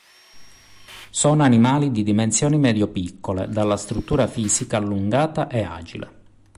Sono animali di dimensioni medio-piccole, dalla struttura fisica allungata e agile.